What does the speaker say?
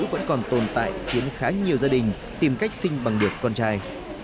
vẫn còn tồn tại khiến khá nhiều gia đình tìm cách sinh bằng được con trai